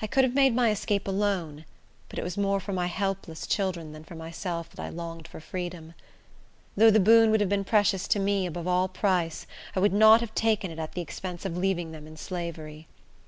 I could have made my escape alone; but it was more for my helpless children than for myself that I longed for freedom. Though the boon would have been precious to me, above all price, I would not have taken it at the expense of leaving them in slavery.